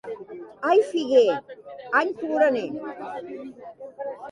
Any figuer, any ploraner.